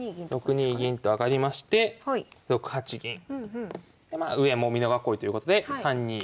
６二銀と上がりまして６八銀。でまあ上も美濃囲いということで３二銀。